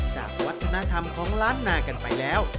จากวัฒนธรรมของล้านนากันไปแล้ว